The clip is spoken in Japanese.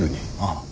ああ。